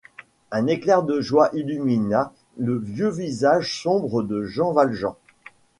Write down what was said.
Un éclair de joie illumina le vieux visage sombre de Jean Valjean.